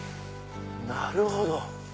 なるほど！